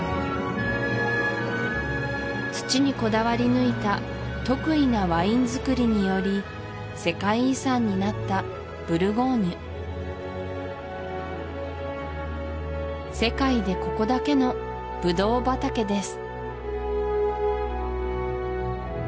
土にこだわりぬいた特異なワインづくりにより世界遺産になったブルゴーニュ世界でここだけのブドウ畑です